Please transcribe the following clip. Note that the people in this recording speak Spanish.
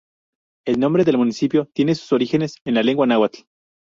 El nombre del municipio tiene sus orígenes en la lengua náhuatl.